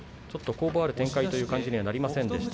攻防ある展開という感じにはなりませんでした。